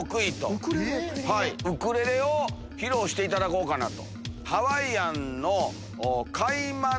ウクレレを披露していただこうかなと。